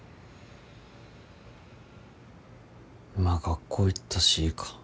まあ学校行ったしいいか。